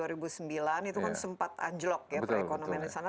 itu kan sempat anjlok ya perekonomian di sana